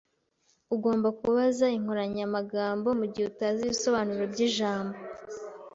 Ugomba kubaza inkoranyamagambo mugihe utazi ibisobanuro byijambo.